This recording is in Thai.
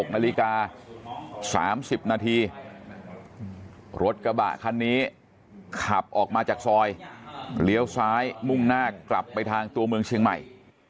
๖นาฬิกา๓๐นาทีรถกระบะคันนี้ขับออกมาจากซอยเลี้ยวซ้ายมุ่งหน้ากลับไปทางตัวเมืองเชียงใหม่